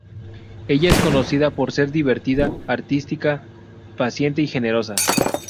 Ella es conocida por ser divertida, artística, paciente y generosa.